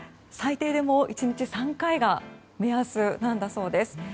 最低でも１日３回が目安なんだそうです。